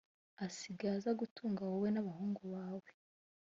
asigaye azagutunga wowe n’abahungu bawe